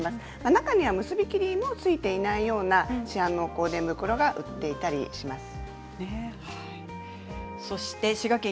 中には結び切りもついていないような香典袋が売っていたりします。